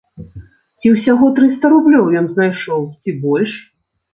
Ці ўсяго трыста рублёў ён знайшоў, ці больш?